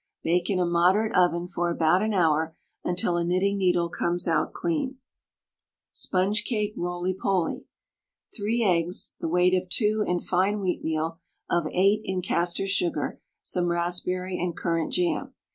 Bake in a moderate oven for about an hour, until a knitting needle comes out clean. SPONGE CAKE ROLY POLY. 3 eggs, the weight of 2 in fine wheatmeal, of 8 in castor sugar, some raspberry and currant jam.